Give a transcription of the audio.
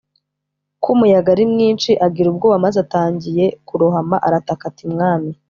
ko umuyaga ari mwinshi agira ubwoba maze atangiye kurohama arataka ati Mwami